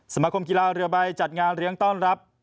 สมาคมกีฬาเรือใบจัดงานเลี้ยงต้อนรับ